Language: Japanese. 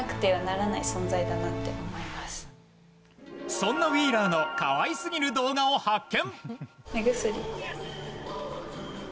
そんなウィーラーの可愛すぎる動画を発見。